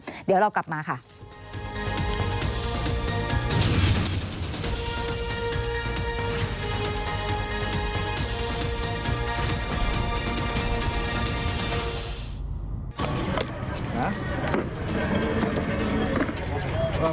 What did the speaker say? พอดีผมพักอยู่แถวนี้